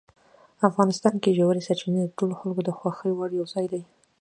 افغانستان کې ژورې سرچینې د ټولو خلکو د خوښې وړ یو ځای دی.